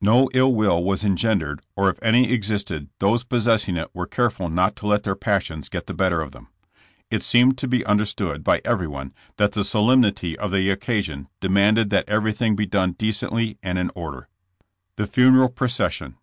No ill will was engendered or if any existed those possessing it were careful not to let their passions get the better of them. It seemed to be understood by everyone that the solemnity of the occasion demanded that everything be done decently and in order. THE FUNERAL PROCESSION.